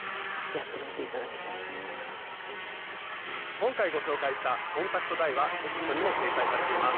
今回ご紹介したコンタクトダイはテキストにも掲載されています。